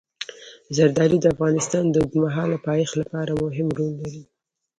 زردالو د افغانستان د اوږدمهاله پایښت لپاره مهم رول لري.